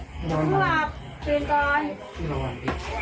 ดูกลอยินตอน